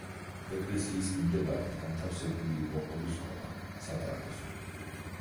ეკლესიის მიმდებარედ განთავსებული იყო ორი სკოლა, სატრაპეზო.